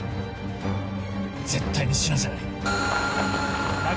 絶対に死なせない。